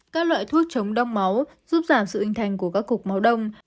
các loại thuốc chống đông máu giúp giảm sự hình thành của các cục máu đông